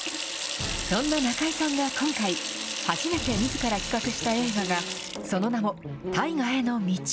そんな中井さんが今回、初めてみずから企画した映画が、その名も大河への道。